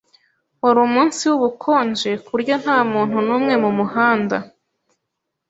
Wari umunsi wubukonje kuburyo ntamuntu numwe mumuhanda.